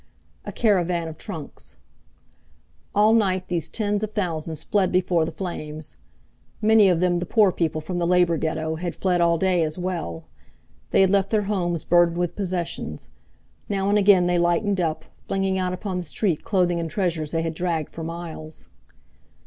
A Caravan of Trunks All night these tens of thousands fled before the flames. Many of them, the poor people from the labor ghetto, had fled all day as well. They had left their homes burdened with possessions. Now and again they lightened up, flinging out upon the street clothing and treasures they had dragged for miles.